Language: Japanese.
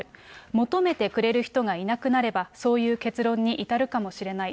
求めてくれる人がいなくなれば、そういう結論に至るかもしれない。